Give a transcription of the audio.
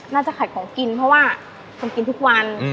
น่าจะขายของกินเพราะว่าคนกินทุกวัน